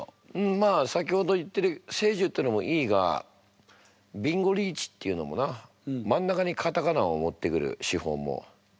まあ先ほど言ってる「聖樹」っていうのもいいがビンゴリーチっていうのもなまんなかにカタカナを持ってくる手法も。